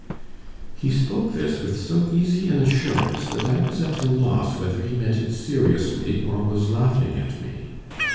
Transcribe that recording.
He spoke this with so easy an assurance that I was at a loss whether he meant it seriously, or was laughing at me.